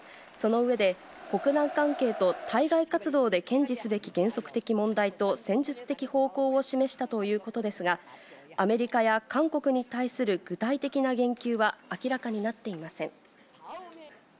その上で、北南関係と対外活動で堅持すべき原則的問題と戦術的方向を示したということですが、アメリカや韓国に対する具体的な言及は明らかになっていません。